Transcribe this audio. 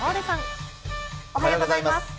おはようございます。